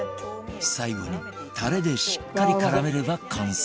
最後にタレでしっかり絡めれば完成